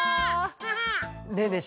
ねえねえ